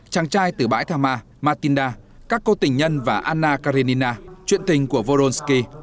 chàng trai từ bãi tha ma martinda các cô tình nhân và anna karenina truyện tình của voronsky